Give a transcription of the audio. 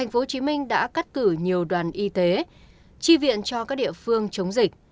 bác cử nhiều đoàn y tế tri viện cho các địa phương chống dịch